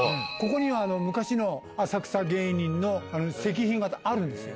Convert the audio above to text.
ここに昔の浅草芸人の石碑があるんですよ。